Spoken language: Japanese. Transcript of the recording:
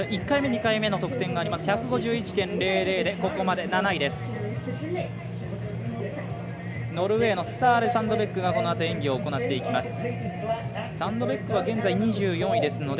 １回目２回目の得点１５１．００でここまで７位です。